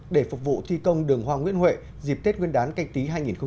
để phục vụ thi công đường hoa nguyễn huệ dịp tết nguyên đán canh tí hai nghìn hai mươi